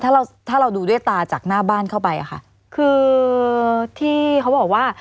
ถ้าเราถ้าเราดูด้วยตาจากหน้าบ้านเข้าไปอะค่ะคือที่เขาบอกว่า